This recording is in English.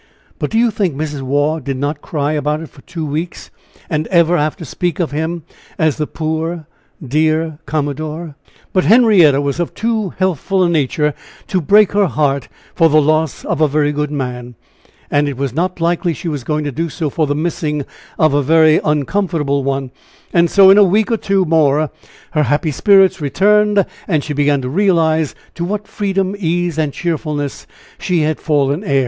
But do you think Mrs. Waugh did not cry about it for two weeks, and ever after speak of him as the poor, dear commodore? But Henrietta was of too healthful a nature to break her heart for the loss of a very good man, and it was not likely she was going to do so for the missing of a very uncomfortable one; and so in a week or two more her happy spirits returned, and she began to realize to what freedom, ease and cheerfulness she had fallen heir!